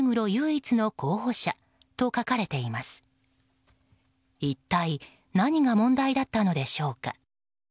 一体何が問題だったのでしょうか。